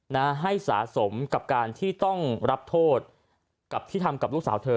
นะให้สะสมกับการที่ต้องรับโทษกับที่ทำกับลูกสาวเธอ